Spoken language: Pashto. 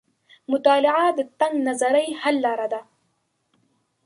مطالعه د تنګ نظرۍ حل لار ده.